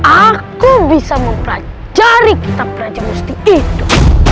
aku bisa memperajari kitab raja musti itu